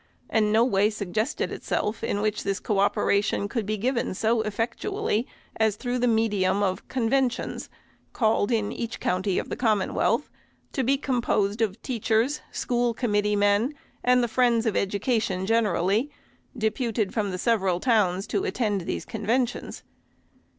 373 and no way suggested itself in which this co operation could be given so effectually, as through the medium *of conventions, called in each county of the Commonwealth, to be composed of teachers, school committee men, and the friends of education generally, deputed from the sev eral towns to attend these conventions.